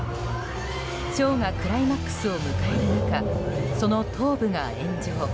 ショーがクライマックスを迎える中その頭部が炎上。